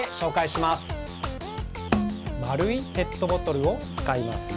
まるいペットボトルをつかいます。